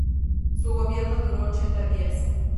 Su gobierno duró ochenta días.